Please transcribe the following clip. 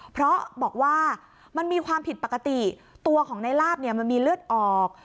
เพราะบอกว่ามันมีความผิดปกติตัวของในลาบมันมีเลือดออก